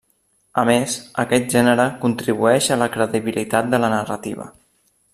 A més, aquest gènere contribueix a la credibilitat de la narrativa.